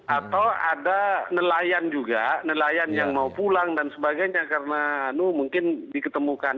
atau ada nelayan juga nelayan yang mau pulang dan sebagainya karena mungkin diketemukan